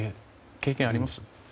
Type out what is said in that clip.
経験あります？